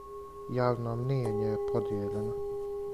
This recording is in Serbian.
Јавно мнијење је подијељено.